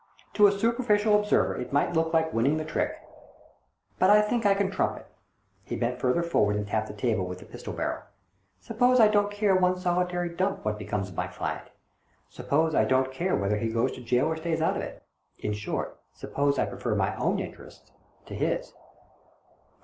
To a superficial observer it might look like winning the trick. But I think I can trump it." He bent farther forward and tapped the table with the pistol barrel. " Suppose I don't care one solitary dump what becomes of my client ? Suppose I don't care whether he goes to gaol or stays out of it — in short, suppose I prefer my own interests to his?"